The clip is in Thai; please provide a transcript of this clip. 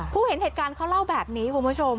เห็นเหตุการณ์เขาเล่าแบบนี้คุณผู้ชม